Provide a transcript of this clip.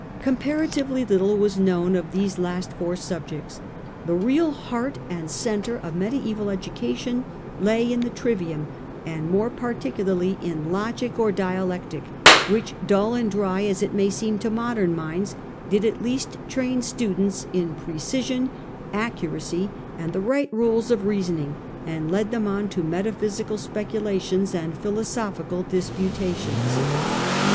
Comparatively little was known of these last four subjects. The real heart and centre of mediaeval education lay in the Trivium, and moi'e particularly in Logic or Dialectic, which, dull and dry as it may seem to modern minds, did at least train students in precision, accuracy, and the right rules of reasoning, and led them on to metaphysical speculations and philosophical disputations.